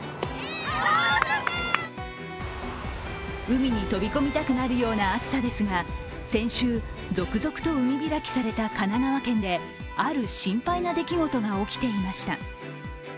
海に飛び込みたくなるような暑さですが先週、続々と海開きされた神奈川県である心配な出来事が起きていました。